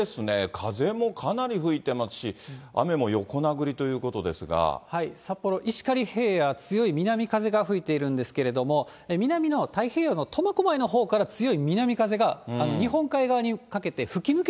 風もかなり吹いてますし、札幌、石狩平野、強い南風が吹いているんですけれども、南の太平洋の苫小牧のほうから強い南風が日本海側にかけて吹き抜